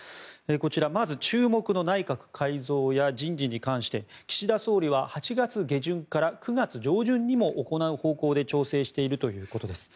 こちら、まず注目の内閣改造や人事に関して岸田総理は８月下旬から９月上旬にも行う方向で調整しているということです。